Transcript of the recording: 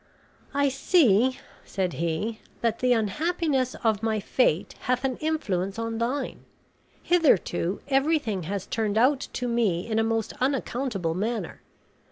"I see," said he, "that the unhappiness of my fate hath an influence on thine. Hitherto everything has turned out to me in a most unaccountable manner.